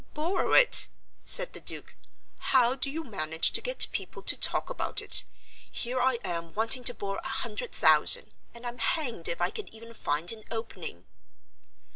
"Borrow it," said the Duke. "How do you manage to get people to talk about it? Here I am wanting to borrow a hundred thousand, and I'm hanged if I can even find an opening."